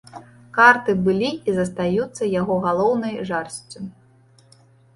Карты былі і застаюцца яго галоўнай жарсцю.